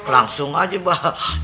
langsung aja mbak